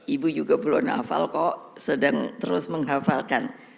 ibu juga belum hafal kok sedang terus menghafalkan